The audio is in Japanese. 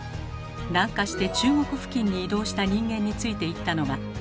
南下して中国付近に移動した人間について行ったのがチャウ・チャウ。